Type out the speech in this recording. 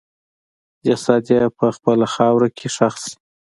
جسد یې په خپله خاوره کې ښخ شي.